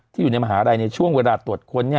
ที่อยู่ในมหาลัยเนี่ยช่วงเวลาตรวจคนนี้